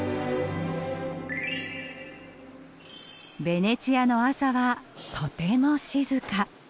ベネチアの朝はとても静か。